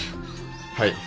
はい。